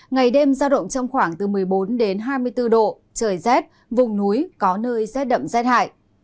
ngày đêm ra động trong khoảng một mươi bốn hai mươi bốn độ trời rét vùng núi có nơi rét đậm rét hại